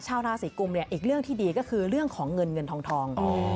ชาวราศีกุมเนี่ยอีกเรื่องที่ดีก็คือเรื่องของเงินเงินทอง